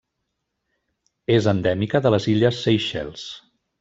És endèmica de les illes Seychelles.